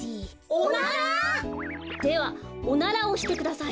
おなら？ではおならをしてください。